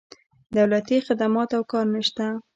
دولتي خدمات او کار نه شته.